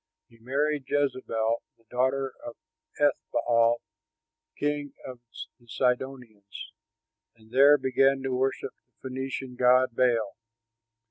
He married Jezebel, the daughter of Ethbaal, king of the Sidonians, and then began to worship the Phœnician god Baal.